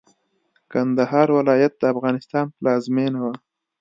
کندهار ولايت د افغانستان پلازمېنه وه.